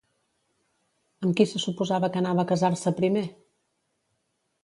Amb qui se suposava que anava a casar-se primer?